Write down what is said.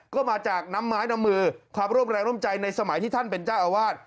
ก็มาจากน้ำไม้น้ำมือความร่วมแรงร่วมใจในสมัยที่ท่านเป็นเจ้าอาวาส